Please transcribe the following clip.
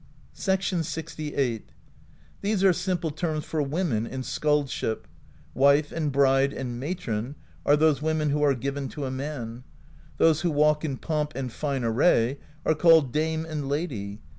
LXVHI. "These are simple terms for women in skald ship : Wife and Bride and Matron are those women who are given to a man. Those who walk in pomp and fine array are called Dame and Lady.